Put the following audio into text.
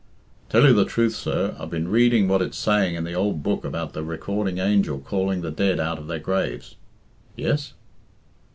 "Tell you the truth, sir, I've been reading what it's saying in the ould Book about the Recording Angel calling the dead out of their graves." "Yes?"